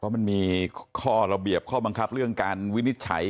มันมีข้อระเบียบข้อบังคับเรื่องการวินิจฉัย